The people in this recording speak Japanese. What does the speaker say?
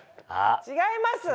違います！